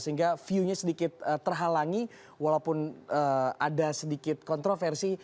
sehingga view nya sedikit terhalangi walaupun ada sedikit kontroversi